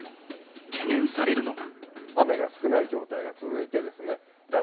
懸念されるのが。